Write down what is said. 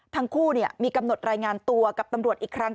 ทั้งคู่มีกำหนดรายงานตัวกับตำรวจอีกครั้ง